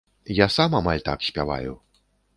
Я сам амаль так спяваю.